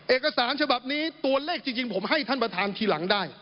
เอกสารฉบับนี้ตัวเลขจริงผมให้ท่านประธานทีหลังได้